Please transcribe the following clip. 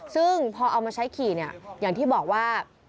ซึ่งพอเอามาใช้ขี่เนี่ยอย่างที่บอกว่า